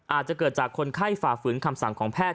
อาจจะเกิดจากคนไข้ฝ่าฝืนคำสั่งของแพทย